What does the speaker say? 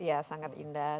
iya sangat indah